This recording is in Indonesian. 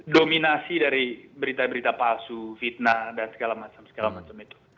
dominasi dari berita berita palsu fitnah dan segala macam segala macam itu